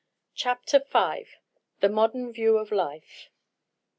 CHAPTER V THE MODERN VIEW OF LIFE.